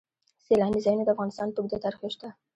سیلاني ځایونه د افغانستان په اوږده تاریخ کې شته.